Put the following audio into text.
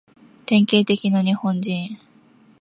典型的な日本人